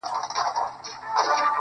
• خو دده زامي له يخه څخه رېږدي.